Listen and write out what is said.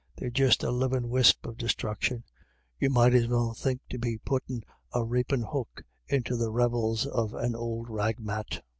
They're just a livin' wisp o' disthruction. You might as well think to be puttin' a rapin hook into the ravels of an ould rag mat.